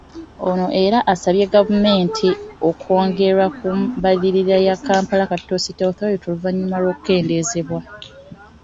Ono era asabye gavumenti okwongera ku mbalirira ya Kampala Capital City Authority oluvannyuma lw’okukendeezebwa .